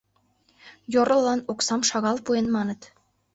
Йорлылан оксам шагал пуэн, маныт.